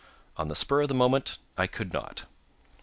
On the spur of the moment I could not.